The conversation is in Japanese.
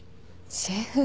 シェフ。